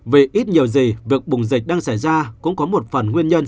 vì ít nhiều gì việc bùng dịch đang xảy ra cũng có một phần nguyên nhân